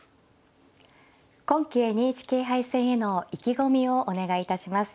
今期ＮＨＫ杯戦への意気込みをお願いいたします。